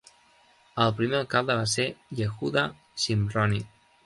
El primer alcalde va ser Yehuda Shimroni.